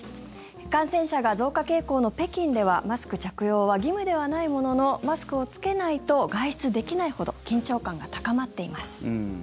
感染者が増加傾向の北京ではマスク着用は義務ではないもののマスクを着けないと外出できないほど緊張感が高まっています。